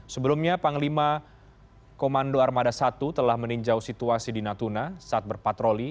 sebelumnya panglima komando armada satu telah meninjau situasi di natuna saat berpatroli